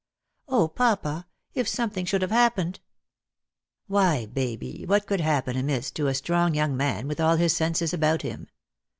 O papa, if something should have happened !"" Why, Baby, what could happen amiss to a strong young man with all his senses about him